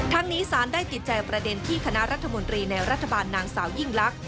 นี้สารได้ติดแจงประเด็นที่คณะรัฐมนตรีในรัฐบาลนางสาวยิ่งลักษ